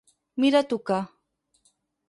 Mira tu que.